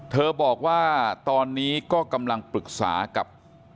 บอกว่าตอนนี้ก็กำลังปรึกษากับ